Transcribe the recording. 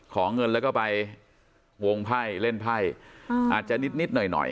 ขอเงินแล้วก็ไปวงไพ่เล่นไพ่อาจจะนิดหน่อยหน่อย